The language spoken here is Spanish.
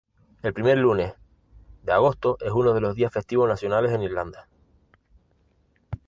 El primer lunes de agosto es uno de los días festivos nacionales en Irlanda.